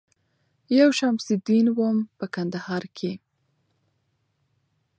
یو شمس الدین وم په کندهار کي